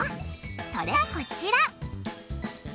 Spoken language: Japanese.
それがこちら！